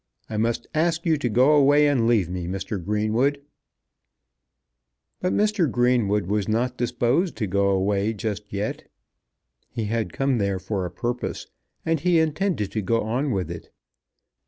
I must ask you to go away and leave me, Mr. Greenwood." But Mr. Greenwood was not disposed to go away just yet. He had come there for a purpose, and he intended to go on with it.